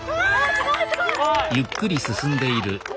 すごいすごい！わ！